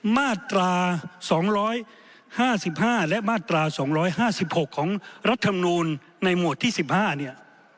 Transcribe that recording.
มาตรา๒๕๕และมาตรา๒๕๖ของรัฐนวณในมวดที่๑๕